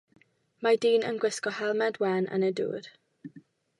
Mae dyn yn gwisgo helmed wen yn y dŵr.